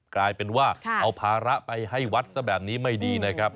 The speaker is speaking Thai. กลายเป็นว่าเอาภาระไปให้วัดซะแบบนี้ไม่ดีนะครับ